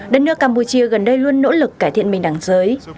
đất nước campuchia gần đây luôn nỗ lực cải thiện bình đẳng giới